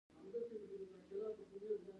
دا د صنعتي پانګوال د اضافي ارزښت برخه ده